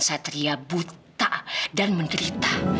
satria buta dan menderita